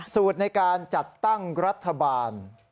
สูตรในการจัดตั้งรัฐบาล